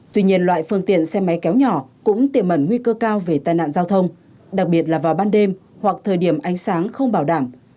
tuy nhiên loại phương tiện xe máy kéo nhỏ cũng tiềm ẩn nguy cơ cao về tai nạn giao thông đặc biệt là vào ban đêm hoặc thời điểm ánh sáng không bảo đảm